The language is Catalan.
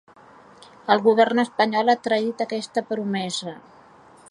El govern espanyol ha traït aquesta promesa.